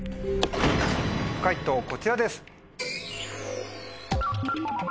解答こちらです。